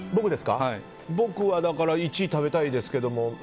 僕は１位食べたいですけども。